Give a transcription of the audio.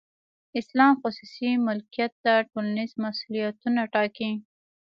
اسلام خصوصي ملکیت ته ټولنیز مسولیتونه ټاکي.